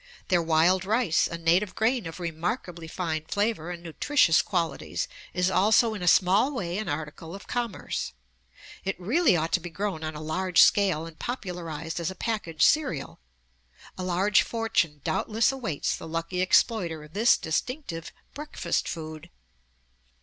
Their wild rice, a native grain of remarkably fine flavor and nutritious qualities, is also in a small way an article of commerce. It really ought to be grown on a large scale and popularized as a package cereal. A large fortune doubtless awaits the lucky exploiter of this distinctive "breakfast food."